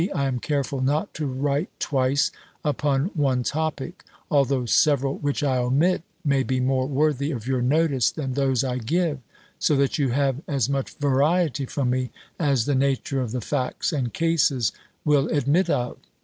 I am careful not to write twice upon one topic, although several which I omit, may be more worthy of your notice than those I give; so that you have as much variety from me, as the nature of the facts and cases will admit of.